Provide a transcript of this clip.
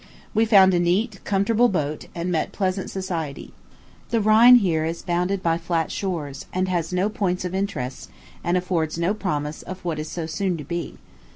We found a neat, comfortable boat, and met pleasant society. The Rhine here is bounded by flat shores, and has no points of interest, and affords no promise of what it is so soon to be.